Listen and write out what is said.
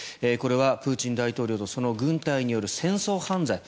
これはプーチン大統領とその軍隊による戦争犯罪